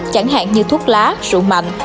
chẳng hạn như thuốc lá rượu mạnh